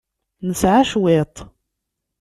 Nesɛa cwiṭ.